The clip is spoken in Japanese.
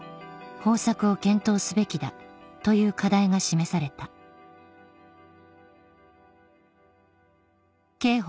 方策を検討すべきだという課題が示された刑法